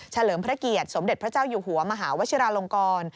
เลิมพระเกียรติสมเด็จพระเจ้าอยู่หัวมหาวชิราลงกร